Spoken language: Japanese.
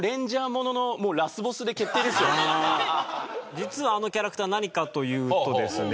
実はあのキャラクター何かというとですね。